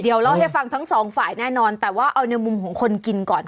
เดี๋ยวเล่าให้ฟังทั้งสองฝ่ายแน่นอนแต่ว่าเอาในมุมของคนกินก่อน